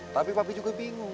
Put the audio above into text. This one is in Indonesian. tapi papi juga bingung